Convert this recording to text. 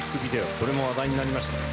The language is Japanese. これも話題になりました。